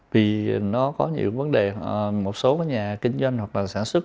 vì nó có nhiều vấn đề một số nhà kinh doanh hoặc là sản xuất